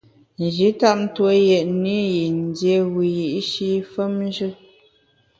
Nji tap tue yètne i yin dié wiyi’shi femnjù.